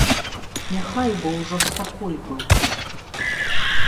Няхай бы ўжо спакой быў.